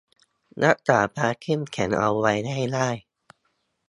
รักษาความเข้มแข็งเอาไว้ให้ได้